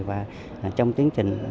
và trong tuyến trình